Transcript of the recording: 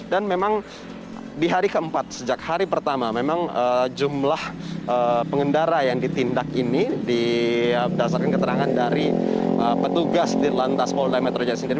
dan memang di hari keempat sejak hari pertama memang jumlah pengendara yang ditindak ini berdasarkan keterangan dari petugas di lantas roda metronya sendiri